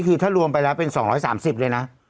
คือถ้ารวมไปแล้วเป็น๒๓๐เลยนะ